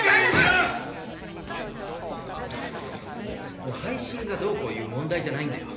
もう配信がどうこういう問題じゃないんだよ。